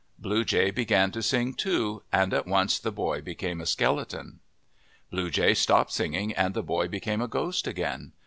Blue Jay began to sing, too, and at once the boy became a skeleton. Blue Jay stopped singing and the boy became a ghost again.